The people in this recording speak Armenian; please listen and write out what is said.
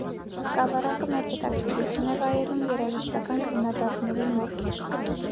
Սկավառակը մեծ հետաքրքրություն է վայելում երաժշտական քննադատների մոտ։